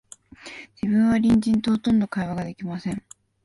自分は隣人と、ほとんど会話が出来ません